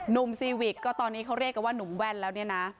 นุ่มซีวิกก็ตอนนี้เขาเรียกว่านุ่มแว่นแล้วนี่นะ